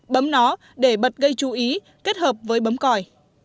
bấm nó để bật gây chú ý kết hợp với bấm còi